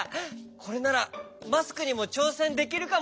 これならマスクにもちょうせんできるかもしれない。